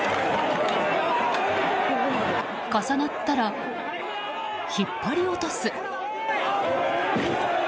重なったら、引っ張り落とす。